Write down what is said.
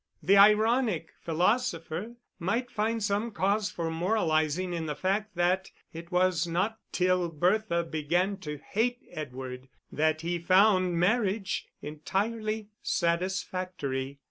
The ironic philosopher might find some cause for moralising in the fact that it was not till Bertha began to hate Edward that he found marriage entirely satisfactory.